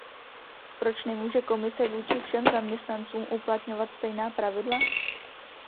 Proč nemůže Komise vůči všem zaměstnancům uplatňovat stejná pravidla?